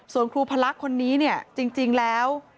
ส่วนครูพระละคนนี้จริงแล้ว